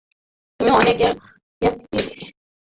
তুমি অনেক এক্সাইটিং!